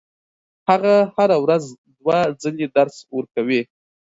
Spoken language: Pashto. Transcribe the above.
هغه هره ورځ دوه ځلې درس ورکوي.